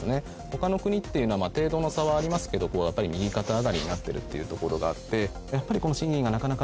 他の国っていうのは程度の差はありますけど右肩上がりになってるっていうところがあって。